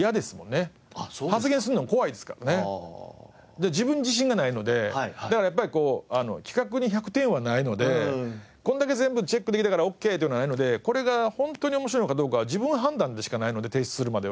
で自分に自信がないのでだからやっぱり企画に１００点はないのでこれだけ全部チェックできたからオッケーではないのでこれが本当に面白いのかどうかは自分判断でしかないので提出するまでは。